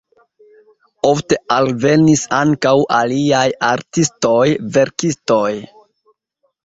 Ofte alvenis ankaŭ aliaj artistoj, verkistoj.